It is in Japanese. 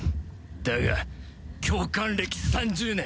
だが教官歴３０年